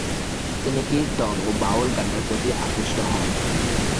তিনি কীর্তন ও বাউল গানের প্রতি আকৃষ্ট হন।